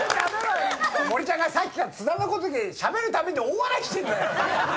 森ちゃんがさっきから津田のことでしゃべるたびに大笑いしてんだよ。